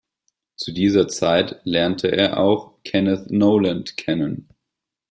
Zu dieser Zeit lernte er auch Kenneth Noland kennen.